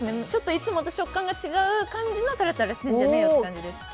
いつもと食感が違う感じのタラタラしてんじゃねーよです。